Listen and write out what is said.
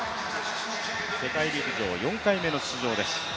世界陸上４回目の出場です。